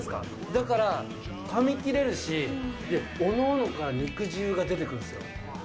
だから、かみ切れるし、各々から肉汁が出てくるんですよ。